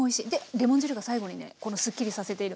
レモン汁が最後にねすっきりさせている。